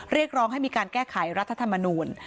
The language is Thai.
เรียกร้องให้มีการแก้ไขรัฐธรรมนูล